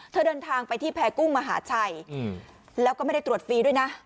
เดินทางไปที่แพ้กุ้งมหาชัยแล้วก็ไม่ได้ตรวจฟรีด้วยนะ